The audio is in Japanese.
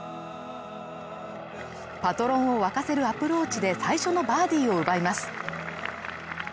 パトロンを沸かせるアプローチで最初のバーディーを奪います。